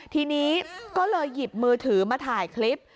ทีนี้ก็เลยหยิบมือถือมาถ่ายคลิป